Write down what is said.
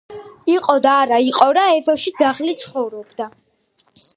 იყო და არა იყო რა ეზოში ძაღლი ცხოვრობდა